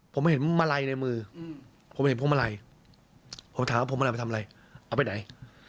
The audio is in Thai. ผมเห็นมาลัยในมือผมเห็นพวงมาลัยผมถามว่าพวงมาลัยไปทำอะไรเอาไปไหน